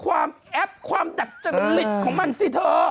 แอปความดัดจริตของมันสิเธอ